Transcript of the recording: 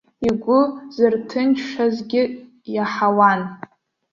Игәы зырҭынчшазгьы иаҳауан.